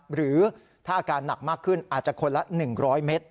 หรือถ้าอาการหนักมากขึ้นอาจจะคนละ๑๐๐เมตร